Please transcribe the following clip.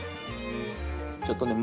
ちょっとね